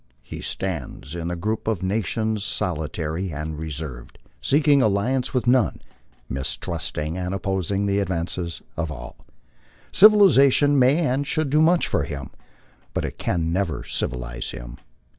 He stands in the group of nations solitary and reserved, seeking alliance with none, mistrusting and opposing the advances of all. Civilization may and should do much for him, but it can never civilize him.